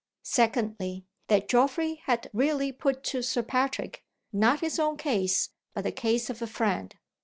Secondly, that Geoffrey had really put to Sir Patrick not his own case but the case of a friend.